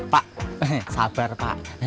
pak sabar pak